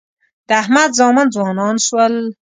د احمد زامن ځوانان شول.